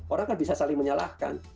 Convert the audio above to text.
orang kan bisa saling menyalahkan